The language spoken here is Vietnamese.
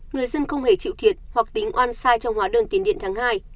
người dân không hề chịu thiệt hoặc tính on site trong hóa đơn tiền điện tháng hai